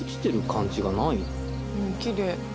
うんきれい。